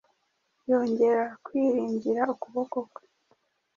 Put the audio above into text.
yongera kwiringira ukuboko kwe